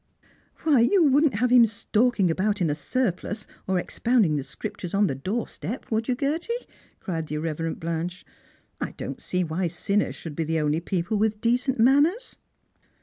" Why, you wouldn't have him stalking about in a surpHce, or expounding the Scriptures on the doorstep, would you, Gerty ?" cried the irreverent Blanche. " I don't see why sinners should be the only people with decent manners."